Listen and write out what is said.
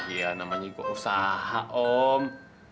ya namanya ikut usaha om